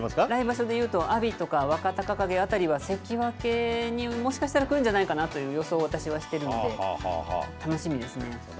来場所でいいますと、阿炎とか若隆景あたりは、関脇にもしかしたらくるんじゃないかなという予想を私はしてるので、楽しみですね。